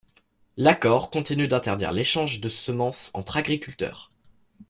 L'accord continue d'interdire l'échange de semences entre agriculteurs.